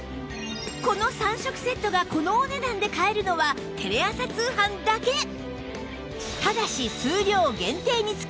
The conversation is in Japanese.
この３色セットがこのお値段で買えるのはテレ朝通販だけ